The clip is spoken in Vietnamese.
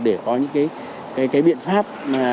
để có những biện pháp